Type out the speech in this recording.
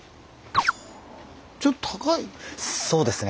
そうですね。